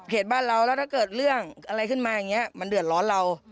บ้านเราแล้วถ้าเกิดเรื่องอะไรขึ้นมาอย่างนี้มันเดือดร้อนเรา